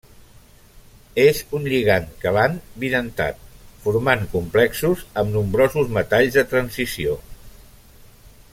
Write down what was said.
És un lligand quelant bidentat, formant complexos amb nombrosos metalls de transició.